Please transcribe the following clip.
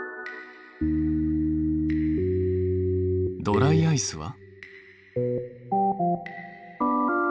ドライアイスは？